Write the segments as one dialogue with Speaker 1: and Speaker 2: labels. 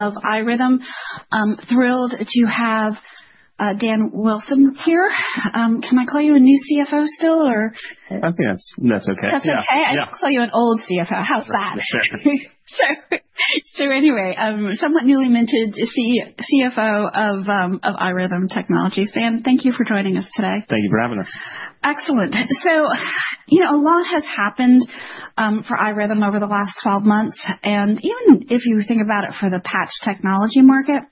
Speaker 1: Of iRhythm. I'm thrilled to have Daniel Wilson here. Can I call you a new CFO still, or?
Speaker 2: I think that's okay.
Speaker 1: That's okay. I don't call you an old CFO. How's that?
Speaker 2: That's fair.
Speaker 1: So anyway, somewhat newly minted CFO of iRhythm Technologies. Dan, thank you for joining us today.
Speaker 2: Thank you for having us.
Speaker 1: Excellent. So a lot has happed for iRhythm over the last 12 months, and even if you think about it for the patch technology market.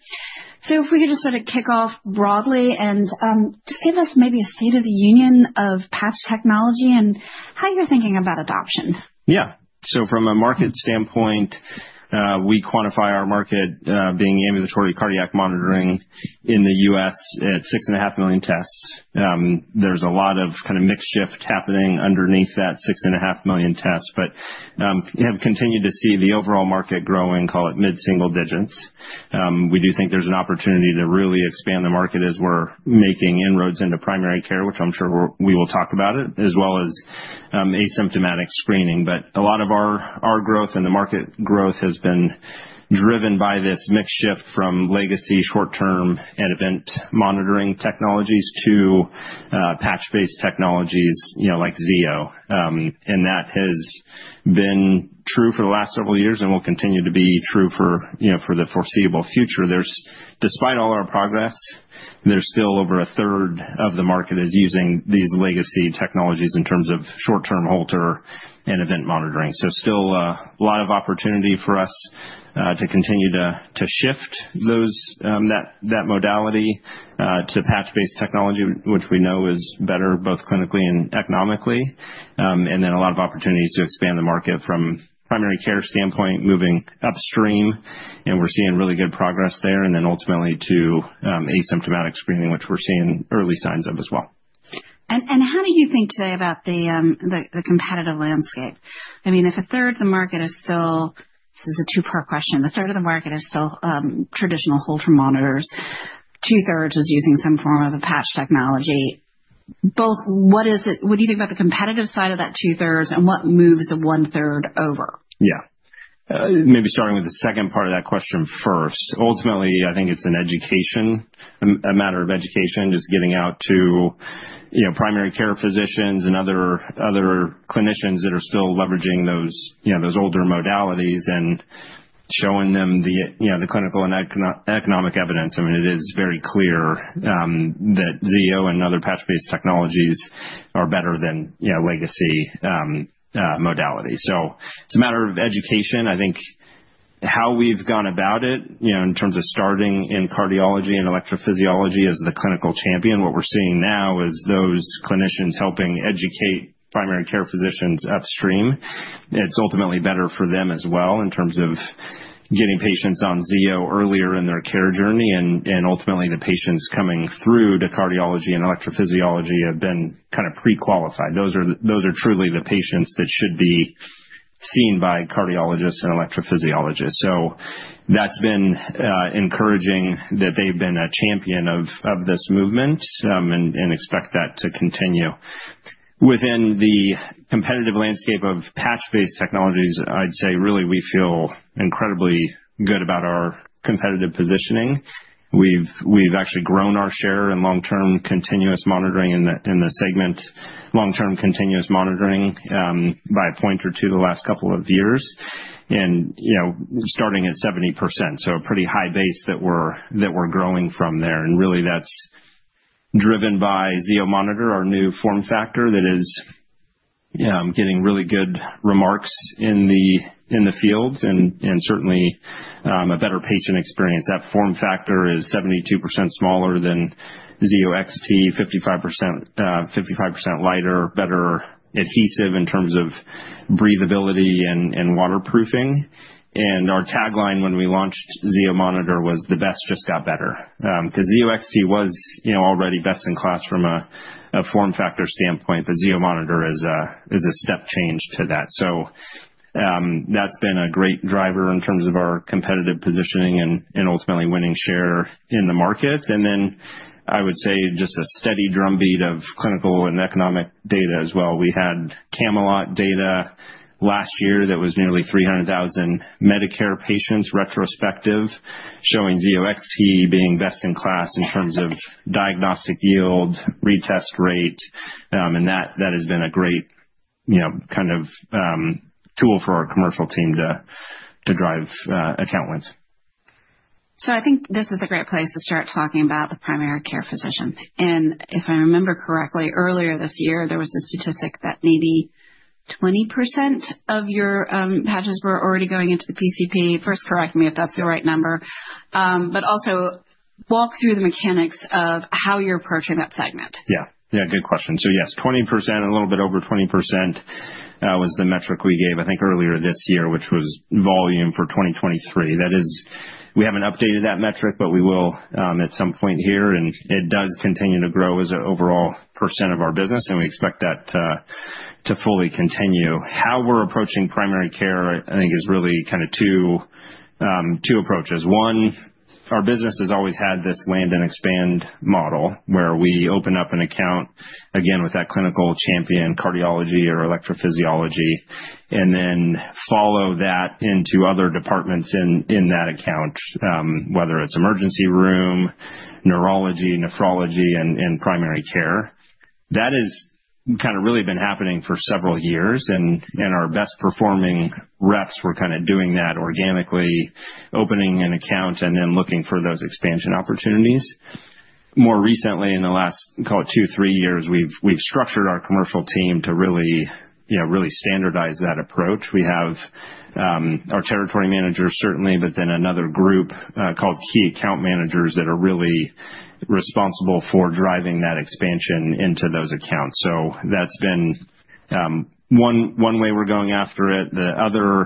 Speaker 1: So if we could just sort of kick off broadly and just give us maybe a State of the Union of patch technology and how you're thinking about adoption.
Speaker 2: Yeah. So from a market standpoint, we quantify our market being ambulatory cardiac monitoring in the U.S. at 6.5 million tests. There's a lot of kind of mix shift happening underneath that 6.5 million tests, but have continued to see the overall market growing, call it mid-single digits. We do think there's an opportunity to really expand the market as we're making inroads into primary care, which I'm sure we will talk about it, as well as asymptomatic screening. But a lot of our growth and the market growth has been driven by this mix shift from legacy short-term and event monitoring technologies to patch-based technologies like Zio. And that has been true for the last several years and will continue to be true for the foreseeable future. Despite all our progress, there's still over a third of the market that is using these legacy technologies in terms of short-term Holter and event monitoring. So still a lot of opportunity for us to continue to shift that modality to patch-based technology, which we know is better both clinically and economically. And then a lot of opportunities to expand the market from a primary care standpoint, moving upstream. And we're seeing really good progress there. And then ultimately to asymptomatic screening, which we're seeing early signs of as well.
Speaker 1: And how do you think today about the competitive landscape? I mean, if a third of the market is still, this is a two-part question, if a third of the market is still traditional Holter monitors, two-thirds is using some form of a patch technology. Both, what do you think about the competitive side of that two-thirds and what moves the 1/3 over?
Speaker 2: Yeah. Maybe starting with the second part of that question first. Ultimately, I think it's a matter of education, just getting out to primary care physicians and other clinicians that are still leveraging those older modalities and showing them the clinical and economic evidence. I mean, it is very clear that Zio and other patch-based technologies are better than legacy modalities. So it's a matter of education. I think how we've gone about it in terms of starting in cardiology and electrophysiology as the clinical champion, what we're seeing now is those clinicians helping educate primary care physicians upstream. It's ultimately better for them as well in terms of getting patients on Zio earlier in their care journey. And ultimately, the patients coming through to cardiology and electrophysiology have been kind of pre-qualified. Those are truly the patients that should be seen by cardiologists and electrophysiologists. So that's been encouraging that they've been a champion of this movement and expect that to continue. Within the competitive landscape of patch-based technologies, I'd say really we feel incredibly good about our competitive positioning. We've actually grown our share in long-term continuous monitoring in the segment, long-term continuous monitoring by a point or two the last couple of years, and starting at 70%. So a pretty high base that we're growing from there. And really that's driven by Zio Monitor, our new form factor that is getting really good remarks in the field and certainly a better patient experience. That form factor is 72% smaller than Zio XT, 55% lighter, better adhesive in terms of breathability and waterproofing. And our tagline when we launched Zio Monitor was, "The best just got better." Because Zio XT was already best in class from a form factor standpoint, but Zio Monitor is a step change to that. So that's been a great driver in terms of our competitive positioning and ultimately winning share in the market. And then I would say just a steady drumbeat of clinical and economic data as well. We had Camelot data last year that was nearly 300,000 Medicare patients retrospective, showing Zio XT being best in class in terms of diagnostic yield, retest rate. And that has been a great kind of tool for our commercial team to drive account wins.
Speaker 1: I think this is a great place to start talking about the primary care physician. And if I remember correctly, earlier this year, there was a statistic that maybe 20% of your patches were already going into the PCP. First, correct me if that's the right number. But also walk through the mechanics of how you're approaching that segment.
Speaker 2: Yeah. Yeah, good question. So yes, 20%, a little bit over 20% was the metric we gave, I think earlier this year, which was volume for 2023. That is, we haven't updated that metric, but we will at some point here. And it does continue to grow as an overall percent of our business, and we expect that to fully continue. How we're approaching primary care, I think, is really kind of two approaches. One, our business has always had this land and expand model where we open up an account, again, with that clinical champion, cardiology or electrophysiology, and then follow that into other departments in that account, whether it's emergency room, neurology, nephrology, and primary care. That has kind of really been happening for several years. And our best performing reps were kind of doing that organically, opening an account and then looking for those expansion opportunities. More recently, in the last, call it two, three years, we've structured our commercial team to really standardize that approach. We have our territory managers, certainly, but then another group called key account managers that are really responsible for driving that expansion into those accounts. So that's been one way we're going after it. The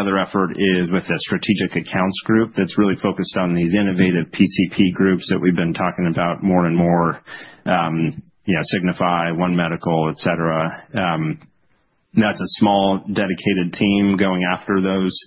Speaker 2: other effort is with a strategic accounts group that's really focused on these innovative PCP groups that we've been talking about more and more, Signify, One Medical, etc. That's a small dedicated team going after those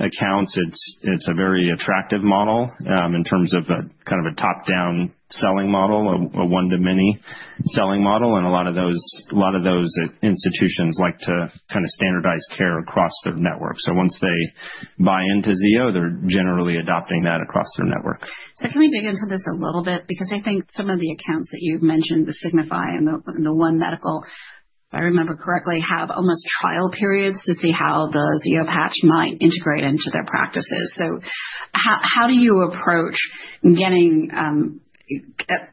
Speaker 2: accounts. It's a very attractive model in terms of a kind of a top-down selling model, a one-to-many selling model. And a lot of those institutions like to kind of standardize care across their network. So once they buy into Zio, they're generally adopting that across their network.
Speaker 1: So can we dig into this a little bit? Because I think some of the accounts that you've mentioned, the Signify and the One Medical, if I remember correctly, have almost trial periods to see how the Zio patch might integrate into their practices. So how do you approach getting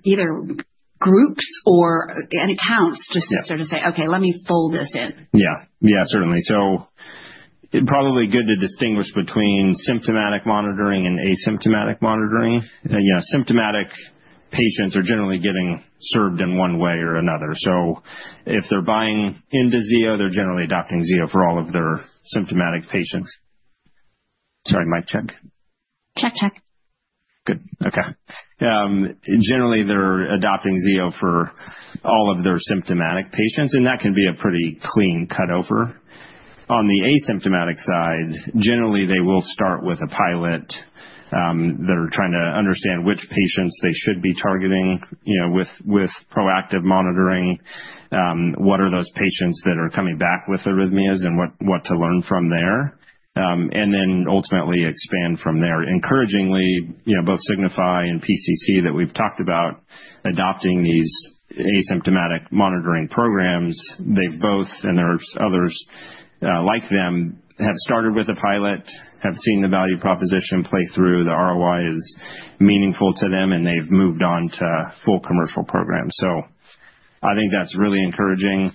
Speaker 1: either groups or accounts just to sort of say, "Okay, let me fold this in"?
Speaker 2: Yeah. Yeah, certainly. So probably good to distinguish between symptomatic monitoring and asymptomatic monitoring. Symptomatic patients are generally getting served in one way or another. So if they're buying into Zio, they're generally adopting Zio for all of their symptomatic patients. Sorry, mic check.
Speaker 1: Check, check.
Speaker 2: Good. Okay. Generally, they're adopting Zio for all of their symptomatic patients. And that can be a pretty clean cutover. On the asymptomatic side, generally, they will start with a pilot that are trying to understand which patients they should be targeting with proactive monitoring. What are those patients that are coming back with arrhythmias and what to learn from there? And then ultimately expand from there. Encouragingly, both Signify and P3 that we've talked about adopting these asymptomatic monitoring programs, they've both, and there's others like them, have started with a pilot, have seen the value proposition play through, the ROI is meaningful to them, and they've moved on to full commercial programs. So I think that's really encouraging.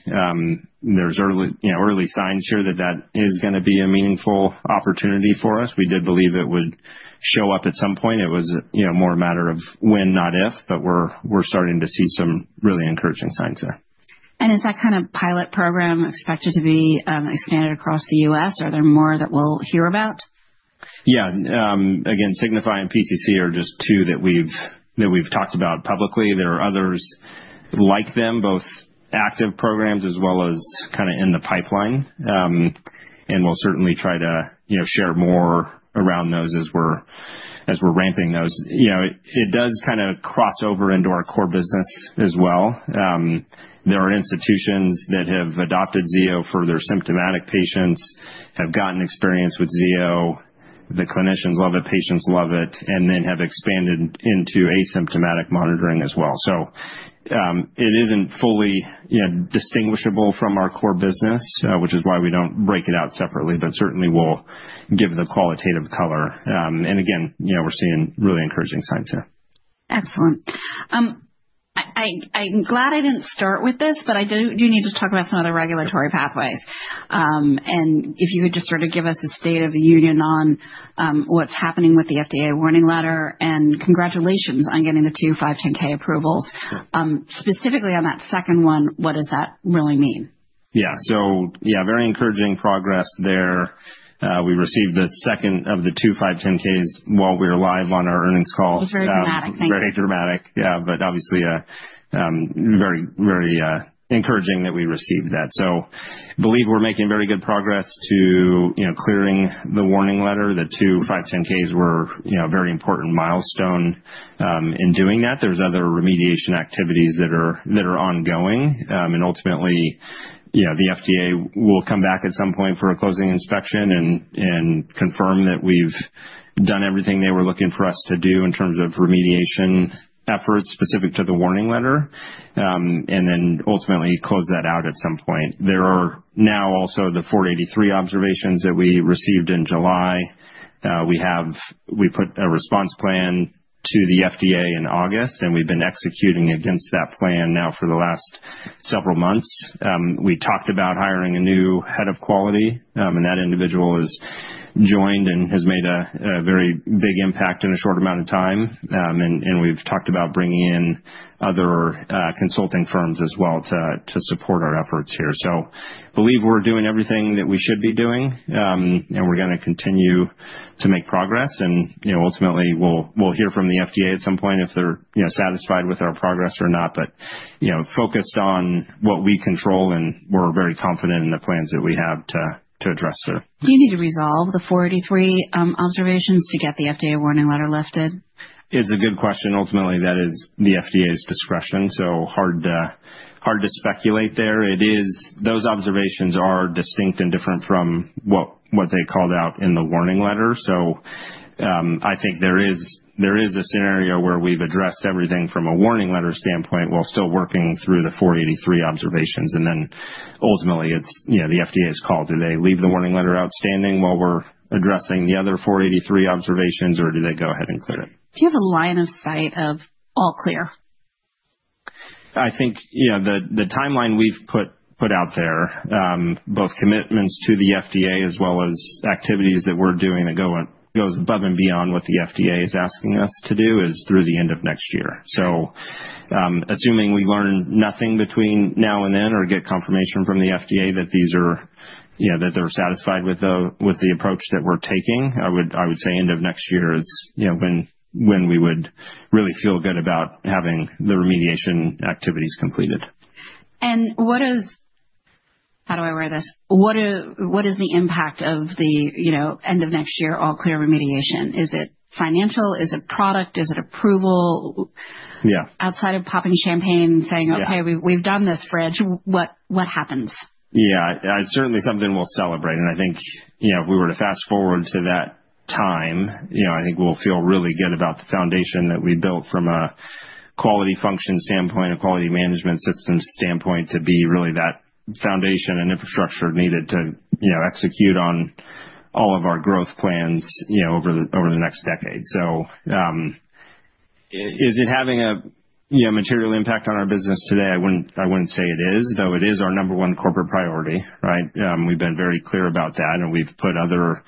Speaker 2: There's early signs here that that is going to be a meaningful opportunity for us. We did believe it would show up at some point. It was more a matter of when, not if, but we're starting to see some really encouraging signs there.
Speaker 1: And is that kind of pilot program expected to be expanded across the U.S.? Are there more that we'll hear about?
Speaker 2: Yeah. Again, Signify and P3 are just two that we've talked about publicly. There are others like them, both active programs as well as kind of in the pipeline. And we'll certainly try to share more around those as we're ramping those. It does kind of cross over into our core business as well. There are institutions that have adopted Zio for their symptomatic patients, have gotten experience with Zio. The clinicians love it, patients love it, and then have expanded into asymptomatic monitoring as well. So it isn't fully distinguishable from our core business, which is why we don't break it out separately, but certainly we'll give the qualitative color. And again, we're seeing really encouraging signs here.
Speaker 1: Excellent. I'm glad I didn't start with this, but I do need to talk about some of the regulatory pathways, and if you could just sort of give us a State of the Union on what's happening with the FDA warning letter, and congratulations on getting the two 510(k) approvals. Specifically on that second one, what does that really mean?
Speaker 2: Yeah. So yeah, very encouraging progress there. We received the second of the two 510(k)s while we were live on our earnings call.
Speaker 1: It was very dramatic. Thank you.
Speaker 2: Very dramatic. Yeah. But obviously, very, very encouraging that we received that. So I believe we're making very good progress to clearing the warning letter. The two 510(k)s were a very important milestone in doing that. There's other remediation activities that are ongoing. And ultimately, the FDA will come back at some point for a closing inspection and confirm that we've done everything they were looking for us to do in terms of remediation efforts specific to the warning letter, and then ultimately close that out at some point. There are now also the 483 observations that we received in July. We put a response plan to the FDA in August, and we've been executing against that plan now for the last several months. We talked about hiring a new head of quality, and that individual has joined and has made a very big impact in a short amount of time, and we've talked about bringing in other consulting firms as well to support our efforts here, so I believe we're doing everything that we should be doing, and we're going to continue to make progress, and ultimately, we'll hear from the FDA at some point if they're satisfied with our progress or not, but, focused on what we control, and we're very confident in the plans that we have to address there.
Speaker 1: Do you need to resolve the 483 observations to get the FDA warning letter lifted?
Speaker 2: It's a good question. Ultimately, that is the FDA's discretion. So hard to speculate there. Those observations are distinct and different from what they called out in the warning letter. So I think there is a scenario where we've addressed everything from a warning letter standpoint while still working through the 483 observations. And then ultimately, it's the FDA's call. Do they leave the warning letter outstanding while we're addressing the other 483 observations, or do they go ahead and clear it?
Speaker 1: Do you have a line of sight of all clear?
Speaker 2: I think the timeline we've put out there, both commitments to the FDA as well as activities that we're doing that goes above and beyond what the FDA is asking us to do, is through the end of next year. So assuming we learn nothing between now and then or get confirmation from the FDA that they're satisfied with the approach that we're taking, I would say end of next year is when we would really feel good about having the remediation activities completed.
Speaker 1: And how do I word this? What is the impact of the end of next year all clear remediation? Is it financial? Is it product? Is it approval? Outside of popping champagne and saying, "Okay, we've done this, Rich," what happens?
Speaker 2: Yeah. Certainly, something we'll celebrate. And I think if we were to fast forward to that time, I think we'll feel really good about the foundation that we built from a quality function standpoint, a quality management system standpoint, to be really that foundation and infrastructure needed to execute on all of our growth plans over the next decade. So is it having a material impact on our business today? I wouldn't say it is, though it is our number one corporate priority, right? We've been very clear about that, and we've put other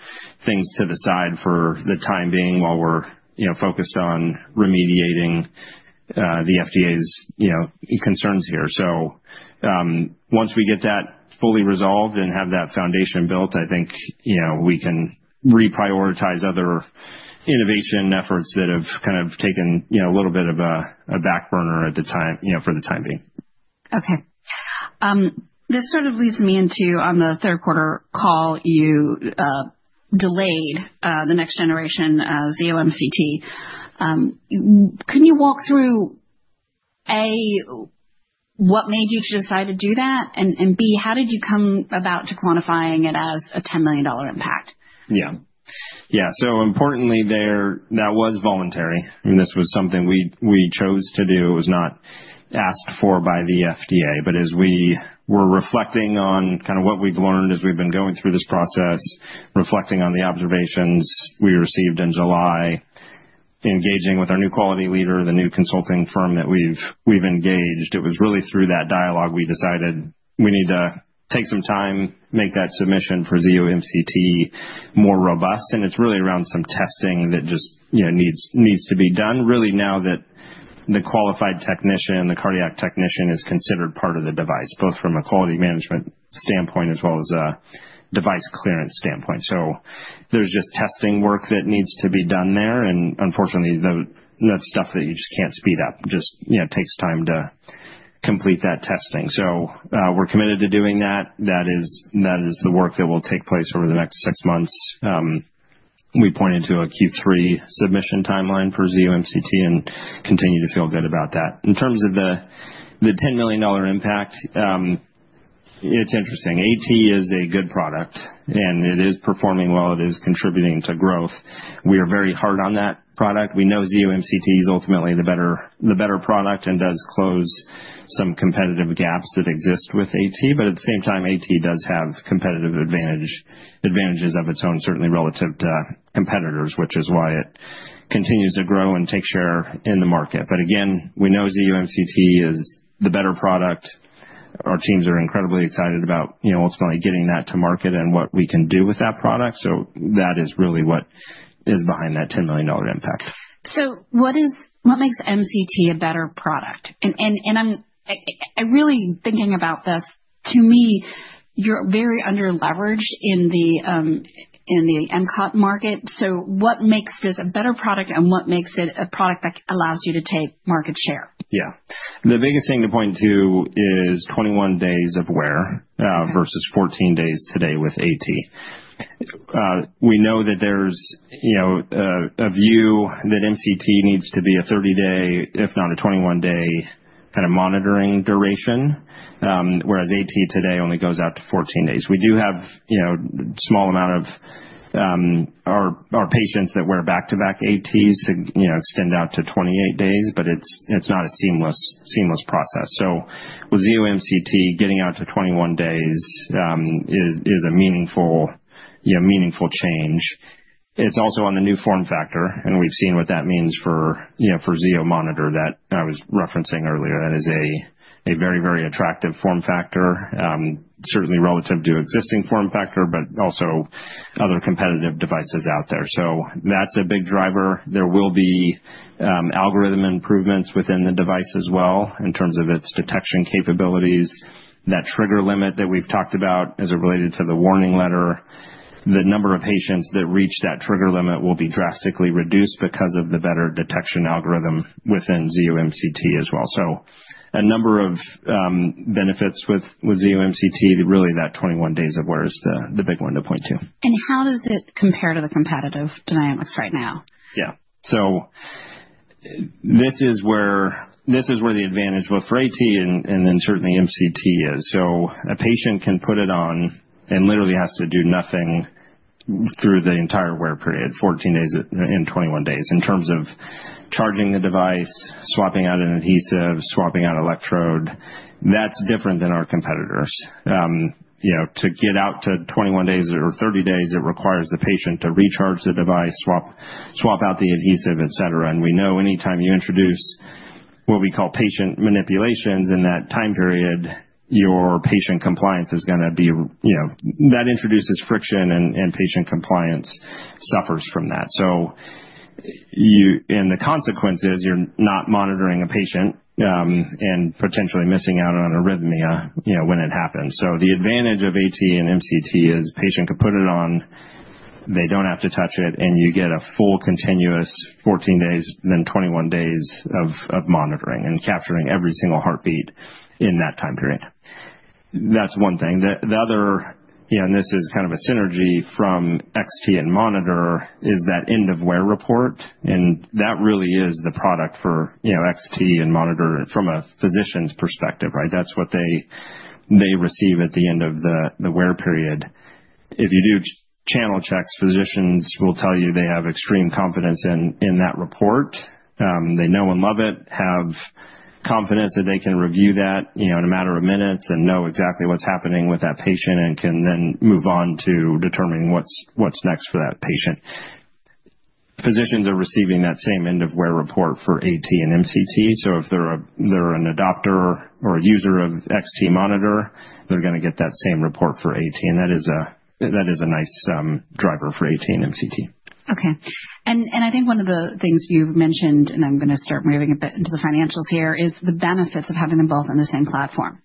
Speaker 2: things to the side for the time being while we're focused on remediating the FDA's concerns here. So once we get that fully resolved and have that foundation built, I think we can reprioritize other innovation efforts that have kind of taken a little bit of a back burner for the time being.
Speaker 1: Okay. This sort of leads me into, on the third quarter call, you delayed the next generation Zio MCT. Can you walk through, A, what made you decide to do that? And B, how did you come about to quantifying it as a $10 million impact?
Speaker 2: Yeah. Yeah. So importantly, that was voluntary. I mean, this was something we chose to do. It was not asked for by the FDA. But as we were reflecting on kind of what we've learned as we've been going through this process, reflecting on the observations we received in July, engaging with our new quality leader, the new consulting firm that we've engaged, it was really through that dialogue we decided we need to take some time, make that submission for Zio MCT more robust. And it's really around some testing that just needs to be done, really, now that the qualified technician, the cardiac technician, is considered part of the device, both from a quality management standpoint as well as a device clearance standpoint. So there's just testing work that needs to be done there. And unfortunately, that's stuff that you just can't speed up. It just takes time to complete that testing, so we're committed to doing that. That is the work that will take place over the next six months. We pointed to a Q3 submission timeline for Zio MCT and continue to feel good about that. In terms of the $10 million impact, it's interesting. AT is a good product, and it is performing well. It is contributing to growth. We are very hard on that product. We know Zio MCT is ultimately the better product and does close some competitive gaps that exist with AT, but at the same time, AT does have competitive advantages of its own, certainly relative to competitors, which is why it continues to grow and take share in the market, but again, we know Zio MCT is the better product. Our teams are incredibly excited about ultimately getting that to market and what we can do with that product. So that is really what is behind that $10 million impact.
Speaker 1: So what makes MCT a better product? And I'm really thinking about this. To me, you're very underleveraged in the MCT market. So what makes this a better product, and what makes it a product that allows you to take market share?
Speaker 2: Yeah. The biggest thing to point to is 21 days of wear versus 14 days today with AT. We know that there's a view that MCT needs to be a 30-day, if not a 21-day kind of monitoring duration, whereas AT today only goes out to 14 days. We do have a small amount of our patients that wear back-to-back ATs extend out to 28 days, but it's not a seamless process. So with Zio MCT, getting out to 21 days is a meaningful change. It's also on the new form factor, and we've seen what that means for Zio Monitor that I was referencing earlier. That is a very, very attractive form factor, certainly relative to existing form factor, but also other competitive devices out there. So that's a big driver. There will be algorithm improvements within the device as well in terms of its detection capabilities. That trigger limit that we've talked about as it related to the warning letter, the number of patients that reach that trigger limit will be drastically reduced because of the better detection algorithm within Zio MCT as well. So a number of benefits with Zio MCT, really that 21 days of wear is the big one to point to.
Speaker 1: How does it compare to the competitive dynamics right now?
Speaker 2: Yeah. So this is where the advantage both for AT and then certainly MCT is. So a patient can put it on and literally has to do nothing through the entire wear period, 14 days and 21 days. In terms of charging the device, swapping out an adhesive, swapping out electrode, that's different than our competitors. To get out to 21 days or 30 days, it requires the patient to recharge the device, swap out the adhesive, etc. And we know anytime you introduce what we call patient manipulations in that time period, your patient compliance is going to be that introduces friction, and patient compliance suffers from that. So the consequence is you're not monitoring a patient and potentially missing out on arrhythmia when it happens. The advantage of AT and MCT is patient can put it on, they don't have to touch it, and you get a full continuous 14 days, then 21 days of monitoring and capturing every single heartbeat in that time period. That's one thing. The other, and this is kind of a synergy from XT and Monitor, is that end-of-wear report. That really is the product for XT and Monitor from a physician's perspective, right? That's what they receive at the end of the wear period. If you do channel checks, physicians will tell you they have extreme confidence in that report. They know and love it, have confidence that they can review that in a matter of minutes and know exactly what's happening with that patient and can then move on to determining what's next for that patient. Physicians are receiving that same end-of-wear report for AT and MCT, so if they're an adopter or a user of XT Monitor, they're going to get that same report for AT, and that is a nice driver for AT and MCT.
Speaker 1: Okay. And I think one of the things you've mentioned, and I'm going to start moving a bit into the financials here, is the benefits of having them both on the same platform.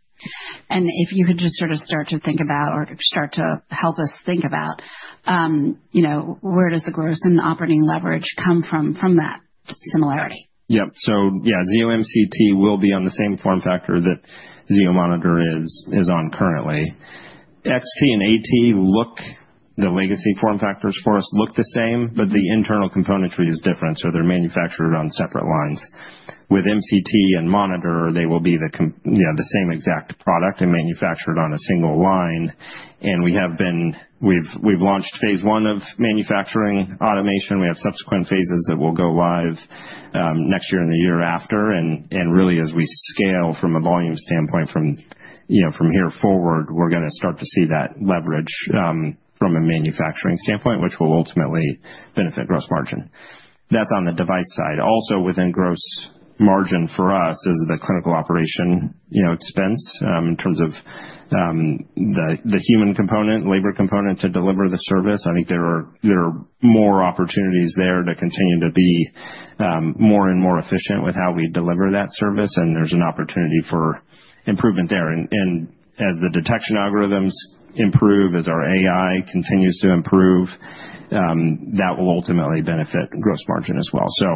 Speaker 1: And if you could just sort of start to think about or start to help us think about, where does the gross and operating leverage come from that similarity?
Speaker 2: Yep. So yeah, Zio MCT will be on the same form factor that Zio Monitor is on currently. XT and AT, the legacy form factors for us look the same, but the internal componentry is different. So they're manufactured on separate lines. With MCT and Monitor, they will be the same exact product and manufactured on a single line, and we've launched phase one of manufacturing automation. We have subsequent phases that will go live next year and the year after, and really, as we scale from a volume standpoint, from here forward, we're going to start to see that leverage from a manufacturing standpoint, which will ultimately benefit gross margin. That's on the device side. Also, within gross margin for us is the clinical operation expense in terms of the human component, labor component to deliver the service. I think there are more opportunities there to continue to be more and more efficient with how we deliver that service. And there's an opportunity for improvement there. And as the detection algorithms improve, as our AI continues to improve, that will ultimately benefit gross margin as well. So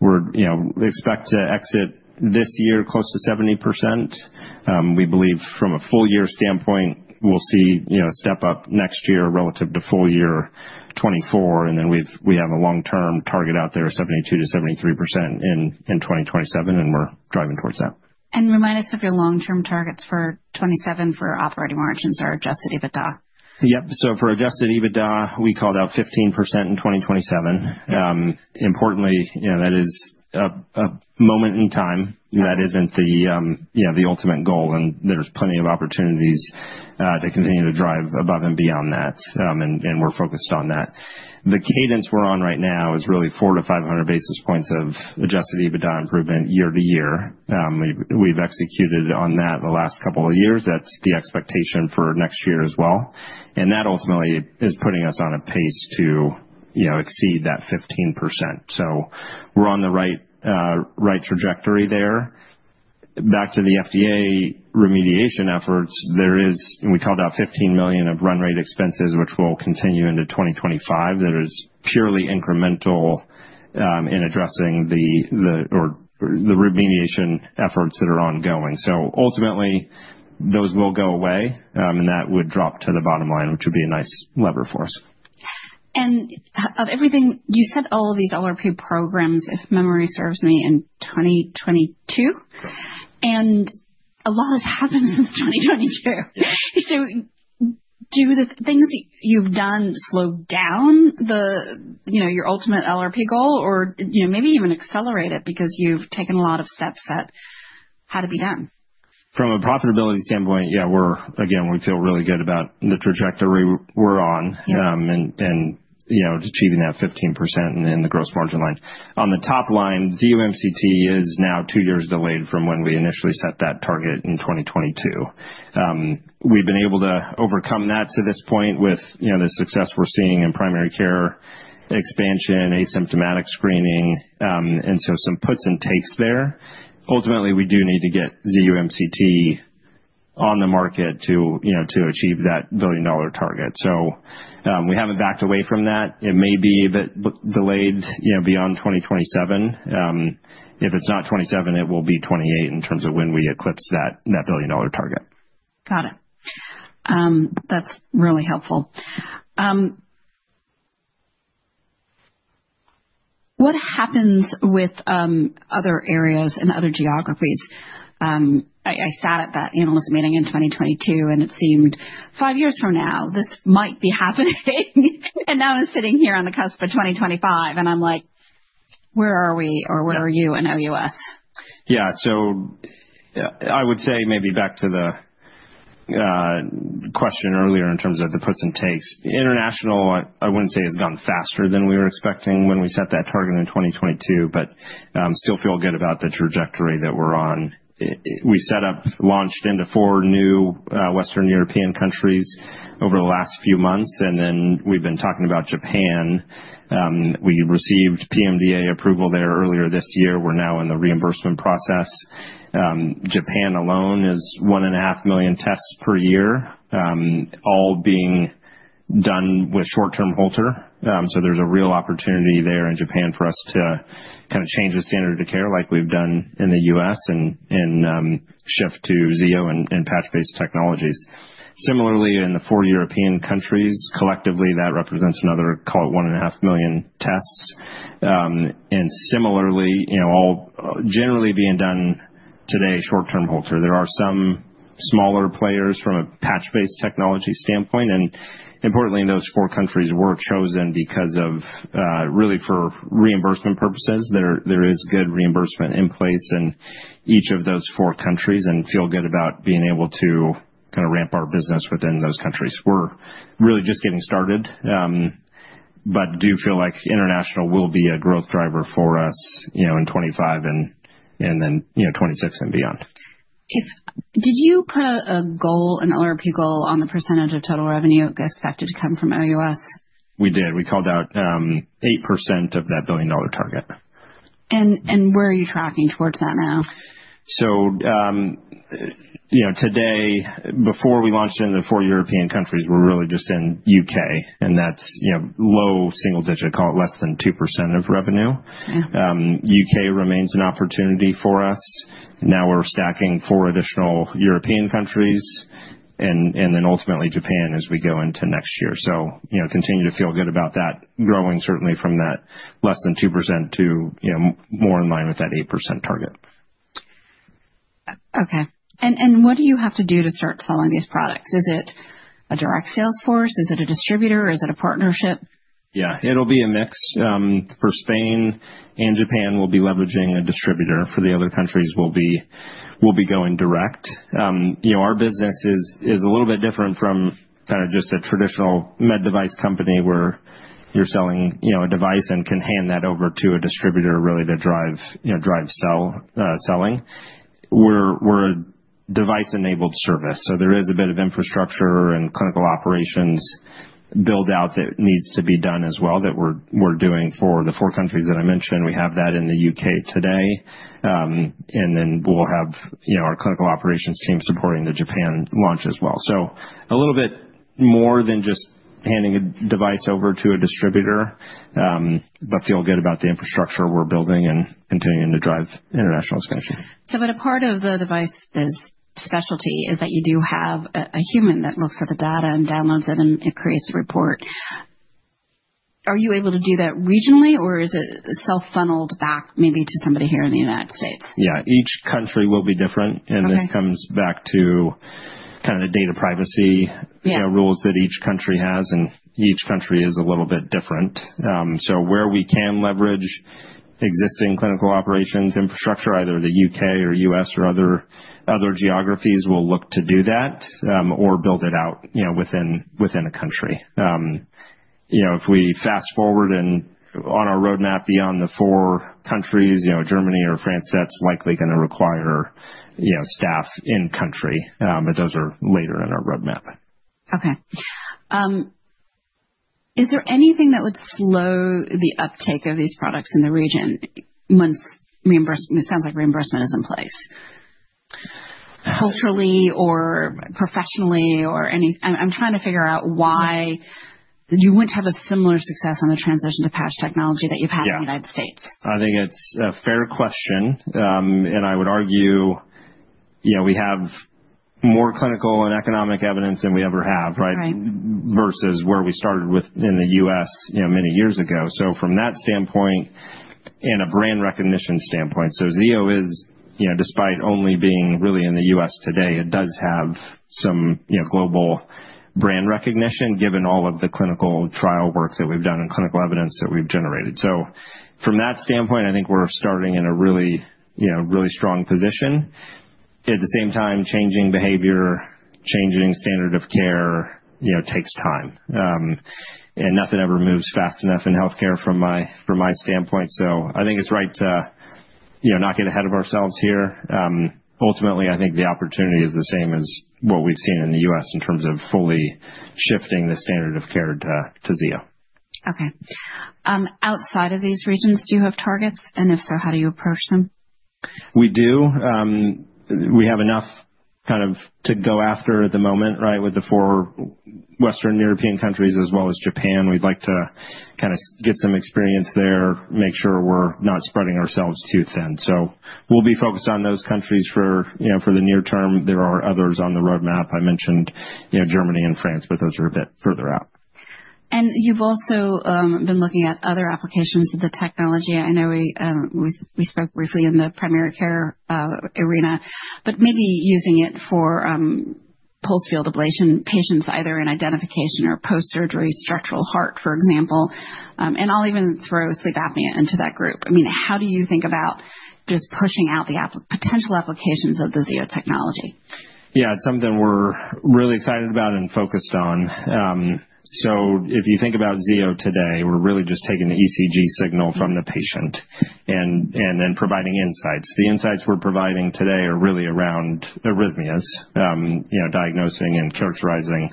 Speaker 2: we expect to exit this year close to 70%. We believe from a full year standpoint, we'll see a step up next year relative to full year 2024. And then we have a long-term target out there, 72% to 73% in 2027, and we're driving towards that.
Speaker 1: Remind us of your long-term targets for 2027 for operating margins or Adjusted EBITDA?
Speaker 2: Yep. So for Adjusted EBITDA, we called out 15% in 2027. Importantly, that is a moment in time. That isn't the ultimate goal. And there's plenty of opportunities to continue to drive above and beyond that. And we're focused on that. The cadence we're on right now is really 400 bps to 500 bps of Adjusted EBITDA improvement year to year. We've executed on that the last couple of years. That's the expectation for next year as well. And that ultimately is putting us on a pace to exceed that 15%. So we're on the right trajectory there. Back to the FDA remediation efforts, we called out $15 million of run rate expenses, which will continue into 2025. That is purely incremental in addressing the remediation efforts that are ongoing. So ultimately, those will go away, and that would drop to the bottom line, which would be a nice lever for us.
Speaker 1: Of everything, you said all of these are pre-programs, if memory serves me, in 2022. A lot has happened since 2022. Do the things you've done slow down your ultimate LRP goal or maybe even accelerate it because you've taken a lot of steps at how to be done?
Speaker 2: From a profitability standpoint, yeah, again, we feel really good about the trajectory we're on and achieving that 15% in the gross margin line. On the top line, Zio MCT is now two years delayed from when we initially set that target in 2022. We've been able to overcome that to this point with the success we're seeing in primary care expansion, asymptomatic screening, and so some puts and takes there. Ultimately, we do need to get Zio MCT on the market to achieve that billion-dollar target. So we haven't backed away from that. It may be a bit delayed beyond 2027. If it's not 2027, it will be 2028 in terms of when we eclipse that billion-dollar target.
Speaker 1: Got it. That's really helpful. What happens with other areas and other geographies? I sat at that analyst meeting in 2022, and it seemed five years from now, this might be happening. And now I'm sitting here on the cusp of 2025, and I'm like, where are we or where are you in OUS?
Speaker 2: Yeah. So I would say maybe back to the question earlier in terms of the puts and takes. International, I wouldn't say has gone faster than we were expecting when we set that target in 2022, but still feel good about the trajectory that we're on. We set up, launched into four new Western European countries over the last few months, and then we've been talking about Japan. We received PMDA approval there earlier this year. We're now in the reimbursement process. Japan alone is 1.5 million tests per year, all being done with short-term Holter. So there's a real opportunity there in Japan for us to kind of change the standard of care like we've done in the U.S. and shift to Zio and patch-based technologies. Similarly, in the four European countries, collectively, that represents another, call it 1.5 million tests. And similarly, all generally being done today, short-term Holter. There are some smaller players from a patch-based technology standpoint. And importantly, those four countries were chosen because, really, for reimbursement purposes. There is good reimbursement in place in each of those four countries and feel good about being able to kind of ramp our business within those countries. We're really just getting started, but do feel like international will be a growth driver for us in 2025 and then 2026 and beyond.
Speaker 1: Did you put a goal, an LRP goal on the percentage of total revenue expected to come from OUS?
Speaker 2: We did. We called out 8% of that billion-dollar target.
Speaker 1: Where are you tracking towards that now?
Speaker 2: So today, before we launched into the four European countries, we're really just in the U.K., and that's low single-digit, call it less than 2% of revenue. U.K. remains an opportunity for us. Now we're stacking four additional European countries and then ultimately Japan as we go into next year. So continue to feel good about that growing certainly from that less than 2% to more in line with that 8% target.
Speaker 1: Okay. And what do you have to do to start selling these products? Is it a direct sales force? Is it a distributor? Is it a partnership?
Speaker 2: Yeah. It'll be a mix. For Spain and Japan, we'll be leveraging a distributor. For the other countries, we'll be going direct. Our business is a little bit different from kind of just a traditional med device company where you're selling a device and can hand that over to a distributor really to drive selling. We're a device-enabled service, so there is a bit of infrastructure and clinical operations build-out that needs to be done as well that we're doing for the four countries that I mentioned. We have that in the UK today, and then we'll have our clinical operations team supporting the Japan launch as well, so a little bit more than just handing a device over to a distributor, but feel good about the infrastructure we're building and continuing to drive international expansion.
Speaker 1: So a part of the device's specialty is that you do have a human that looks at the data and downloads it and creates a report. Are you able to do that regionally, or is it self-funneled back maybe to somebody here in the United States?
Speaker 2: Yeah. Each country will be different. And this comes back to kind of the data privacy rules that each country has. And each country is a little bit different. So where we can leverage existing clinical operations infrastructure, either the U.K. or U.S. or other geographies, we'll look to do that or build it out within a country. If we fast forward and on our roadmap beyond the four countries, Germany or France, that's likely going to require staff in-country. But those are later in our roadmap.
Speaker 1: Okay. Is there anything that would slow the uptake of these products in the region once reimbursement, it sounds like reimbursement is in place? Culturally or professionally or any. I'm trying to figure out why you wouldn't have a similar success on the transition to patch technology that you've had in the United States.
Speaker 2: I think it's a fair question, and I would argue we have more clinical and economic evidence than we ever have, right, versus where we started with in the U.S. many years ago. So from that standpoint and a brand recognition standpoint, so Zio is, despite only being really in the U.S. today, it does have some global brand recognition given all of the clinical trial work that we've done and clinical evidence that we've generated. So from that standpoint, I think we're starting in a really strong position. At the same time, changing behavior, changing standard of care takes time. And nothing ever moves fast enough in healthcare from my standpoint. So I think it's right to not get ahead of ourselves here. Ultimately, I think the opportunity is the same as what we've seen in the U.S. in terms of fully shifting the standard of care to Zio.
Speaker 1: Okay. Outside of these regions, do you have targets? And if so, how do you approach them?
Speaker 2: We do. We have enough kind of to go after at the moment, right, with the four Western European countries as well as Japan. We'd like to kind of get some experience there, make sure we're not spreading ourselves too thin. So we'll be focused on those countries for the near term. There are others on the roadmap. I mentioned Germany and France, but those are a bit further out.
Speaker 1: You've also been looking at other applications of the technology. I know we spoke briefly in the primary care arena, but maybe using it for post-pulsed field ablation patients, either in identification or post-surgery structural heart, for example. I'll even throw sleep apnea into that group. I mean, how do you think about just pushing out the potential applications of the Zio technology?
Speaker 2: Yeah. It's something we're really excited about and focused on. So if you think about Zio today, we're really just taking the ECG signal from the patient and then providing insights. The insights we're providing today are really around arrhythmias, diagnosing and characterizing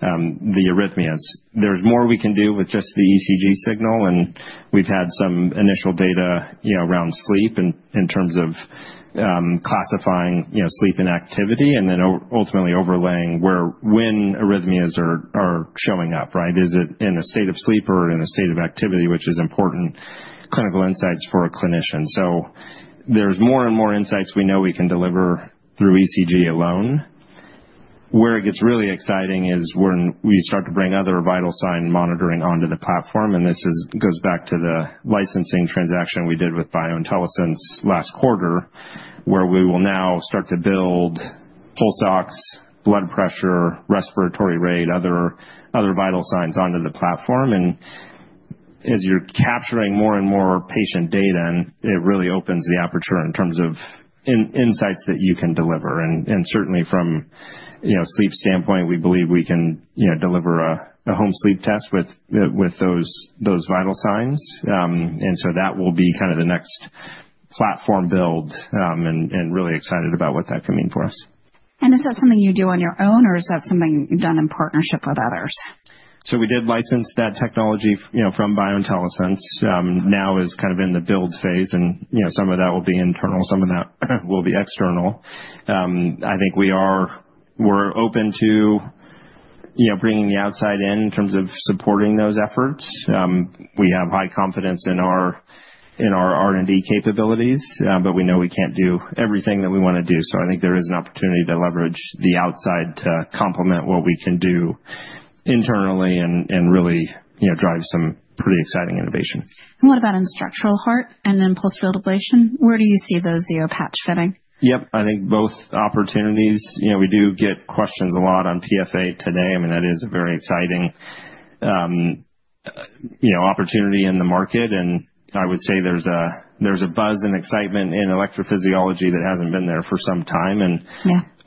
Speaker 2: the arrhythmias. There's more we can do with just the ECG signal. And we've had some initial data around sleep in terms of classifying sleep inactivity and then ultimately overlaying when arrhythmias are showing up, right? Is it in a state of sleep or in a state of activity, which is important clinical insights for a clinician? So there's more and more insights we know we can deliver through ECG alone. Where it gets really exciting is when we start to bring other vital sign monitoring onto the platform. This goes back to the licensing transaction we did with BioIntelliSense last quarter, where we will now start to build pulse ox, blood pressure, respiratory rate, other vital signs onto the platform. As you're capturing more and more patient data, it really opens the aperture in terms of insights that you can deliver. Certainly from a sleep standpoint, we believe we can deliver a home sleep test with those vital signs. That will be kind of the next platform build and really excited about what that can mean for us.
Speaker 1: Is that something you do on your own, or is that something done in partnership with others?
Speaker 2: So we did license that technology from BioIntelliSense. Now it's kind of in the build phase. And some of that will be internal. Some of that will be external. I think we're open to bringing the outside in in terms of supporting those efforts. We have high confidence in our R&D capabilities, but we know we can't do everything that we want to do. So I think there is an opportunity to leverage the outside to complement what we can do internally and really drive some pretty exciting innovation.
Speaker 1: And what about in structural heart and then pulsed field ablation? Where do you see those Zio patch fitting?
Speaker 2: Yep. I think both opportunities. We do get questions a lot on PFA today. I mean, that is a very exciting opportunity in the market. And I would say there's a buzz and excitement in electrophysiology that hasn't been there for some time. And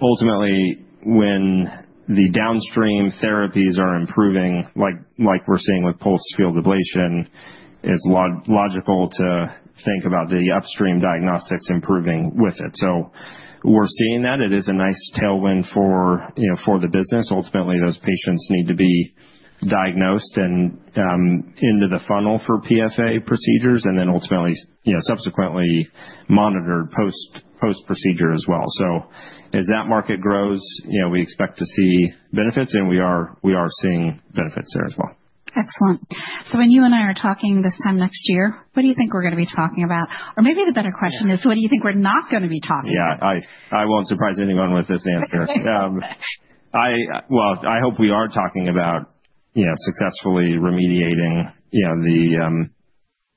Speaker 2: ultimately, when the downstream therapies are improving, like we're seeing with pulsed field ablation, it's logical to think about the upstream diagnostics improving with it. So we're seeing that. It is a nice tailwind for the business. Ultimately, those patients need to be diagnosed and into the funnel for PFA procedures and then ultimately subsequently monitored post-procedure as well. So as that market grows, we expect to see benefits, and we are seeing benefits there as well.
Speaker 1: Excellent. So when you and I are talking this time next year, what do you think we're going to be talking about? Or maybe the better question is, what do you think we're not going to be talking about?
Speaker 2: Yeah. I won't surprise anyone with this answer, well, I hope we are talking about successfully remediating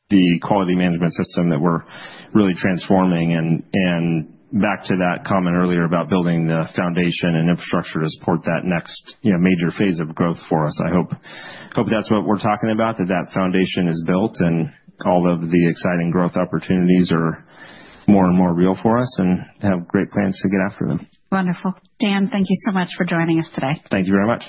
Speaker 2: the quality management system that we're really transforming, and back to that comment earlier about building the foundation and infrastructure to support that next major phase of growth for us. I hope that's what we're talking about, that that foundation is built and all of the exciting growth opportunities are more and more real for us and have great plans to get after them.
Speaker 1: Wonderful. Dan, thank you so much for joining us today.
Speaker 2: Thank you very much.